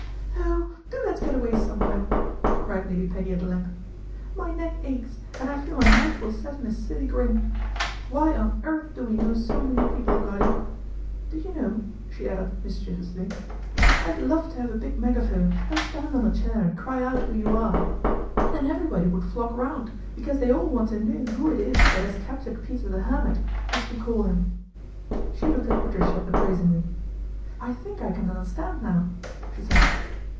" Oh ! do let's get away somewhere," cried Lady Peggy at length. " My neck aches, and I feel my mouth will set in a silly grin. Why on earth do we know so many people, Goddy ? Do you know," she added mischievously, " I'd love to have a big megaphone and stand on a chair and cry out who you are. Then everybody would flock round, because they all want to know who it is that has captured Peter the Hermit, as we call 50 PATRICIA BRENT, SPINSTER him." She looked at Patricia appraisingly. think I can understand now/' she said.